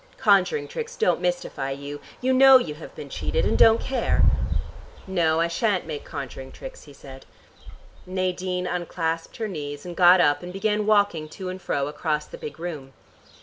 Conjuring tricks don't mystify you: you know you have been cheated and don't care." "No, I shan't make conjuring tricks," he said. Nadine unclasped her knees, and got up, and began walking to and fro across the big room.